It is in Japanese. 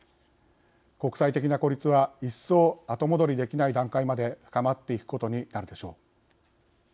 国際的な孤立は一層、後戻りできない段階まで深まっていくことになるでしょう。